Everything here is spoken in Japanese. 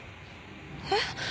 えっ？